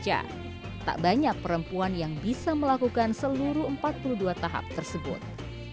tidak banyak perempuan yang bisa melakukan seluruh empat puluh dua tahap tersebut